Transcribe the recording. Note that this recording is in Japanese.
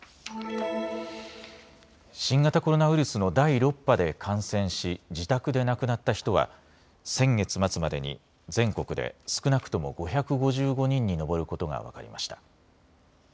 新型コロナウイルスの第６波で感染し自宅で亡くなった人は先月末までに全国で少なくとも５５５人に上ることが分かりました。